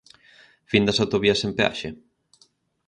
Fin das autovías sen peaxe?